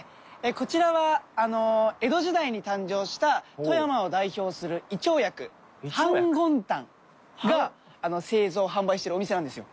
こちらは江戸時代に誕生した富山を代表する胃腸薬反魂丹が製造販売してるお店なんですよ。